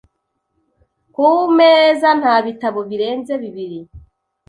Ku meza nta bitabo birenze bibiri .